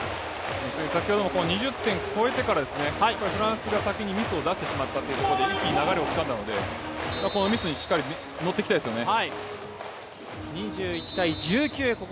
先ほども２０点超えてからですね、フランスが先にミスを出してしまったというところで一気に流れをつかんだのでこのミスにしっかり乗っていきたいですよね。